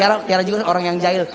karena tiara juga orang yang jahil